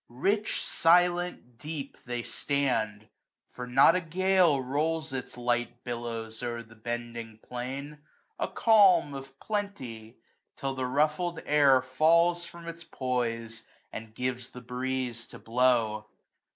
AUTUMN 12$ Rich, silent, deep, they stand ; for not a gale Rolls its light billows o'er the bending plain : A calm of plenty ! till the ruffled air Falls from its poise, and gives tlie breeze to blow.